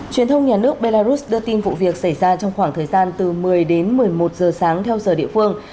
truyền thông nhà nước belarus đưa tin vụ việc xảy ra trong khoảng thời gian từ một mươi đến một mươi một giờ sáng theo giờ địa phương